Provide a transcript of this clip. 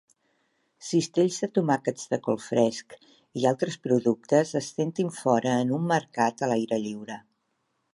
Cistells de tomàquets de col fresc i altres productes es sentin fora en un mercat a l'aire lliure